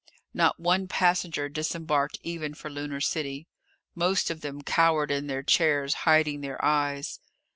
Not one passenger disembarked even for Lunar City. Most of them cowered in their chairs, hiding their eyes.